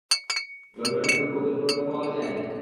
লন্ডনে ফুলকপির পরোটা পাওয়া যায়?